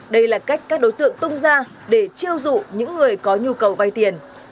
đây là cách các đối tượng tung ra để chiêu dụ những người có nhu cầu vay tiền